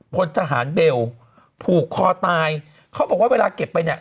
พลทหารเบลผูกคอตายเขาบอกว่าเวลาเก็บไปเนี่ย